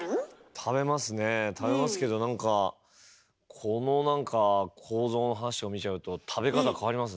食べますけど何かこの何か構造の話を見ちゃうと食べ方変わりますね。